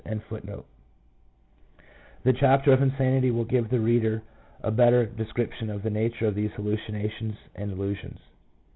1 The chapter on insanity will give the reader a better description of the nature of these hallucinations and illusions.